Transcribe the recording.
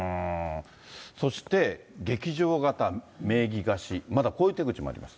そして、劇場型名義貸し、まだこういう手口もあります。